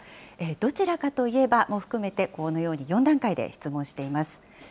どちらかといえばも含めて、このように４段階で質問しています。